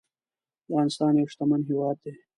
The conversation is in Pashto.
افغانستان يو شتمن هيواد دي